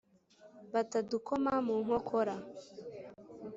batadukoma mu nkokora